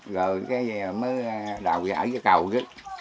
rồi cái gì mới đầu ra ở dưới cầu chứ